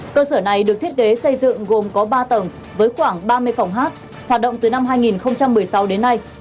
cơ sở này được thiết kế xây dựng gồm có ba tầng với khoảng ba mươi phòng hát hoạt động từ năm hai nghìn một mươi sáu đến nay